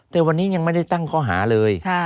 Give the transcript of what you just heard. แต่วันนี้ยังไม่ได้ตั้งข้อหาเลย